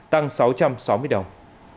tăng sáu trăm sáu mươi đồng